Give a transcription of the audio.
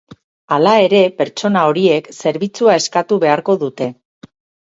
Hala ere, pertsona horiek zerbitzua eskatu beharko dute.